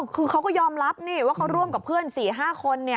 คือเขาก็ยอมรับนี่ว่าเขาร่วมกับเพื่อน๔๕คน